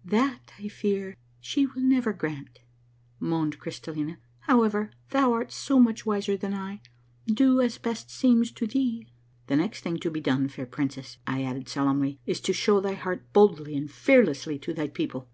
" That, I fear me, she will never grant," moaned Crystallina. " However, thou art so much wiser than I — do as best seems to thee." The next thing to be done, fair princess," I added solemnly, "is to show thy heart boldly aind fearlessly to thy people."